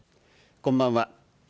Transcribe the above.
こんばんは。